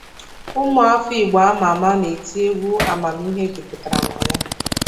ụmụafọ Igbo a ma ama n'iti egwu amamihe juputara na ya